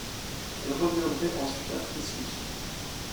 Elles reviendraient ensuite à Frisius.